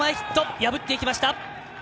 破っていきました。